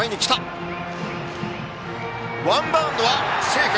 ワンバウンドはセーフ！